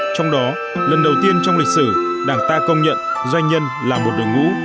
trong đó lần đầu tiên trong lịch sử đảng ta công nhận doanh nhân là một đội ngũ